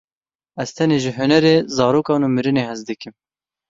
Ez tenê ji hunerê, zarokan û mirinê hez dikim.